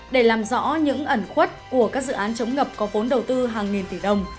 để làm rõ những ẩn khuất của các dự án chống ngập có vốn đầu tư hàng nghìn tỷ đồng